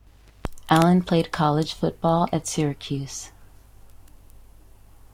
Allen played college football at Syracuse.